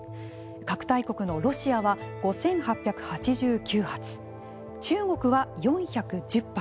核大国のロシアは５８８９発中国は４１０発。